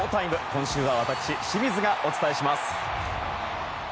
今週は私、清水がお伝えします。